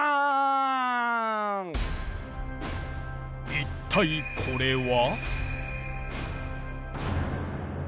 一体これは？